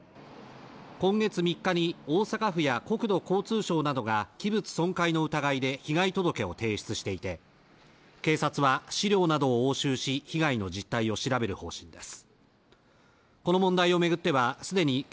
今月３日に大阪府や国土交通省などが器物損壊の疑いで被害届を提出していて警察は資料などを押収し被害の実態を調べる方針です